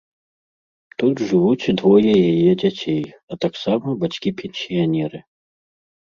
Тут жывуць двое яе дзяцей, а таксама бацькі-пенсіянеры.